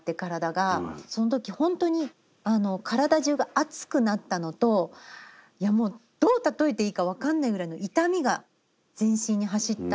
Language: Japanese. その時ほんとに体じゅうが熱くなったのといやもうどう例えていいか分かんないぐらいの痛みが全身に走ったんですね